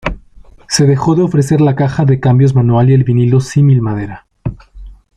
Se dejó de ofrecer la caja de cambios manual y el vinilo símil madera.